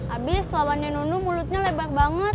abis lawannya nunu mulutnya lebar banget